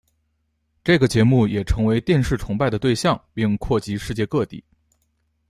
这个节目也成为电视崇拜的对象并扩及世界各地。